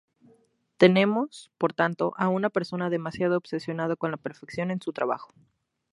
Tenemos, por tanto, a una persona demasiado obsesionada con la perfección en su trabajo.